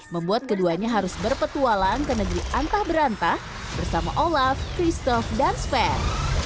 membuat keduanya harus berpetualang ke negeri antah berantah bersama olav christoph dan sven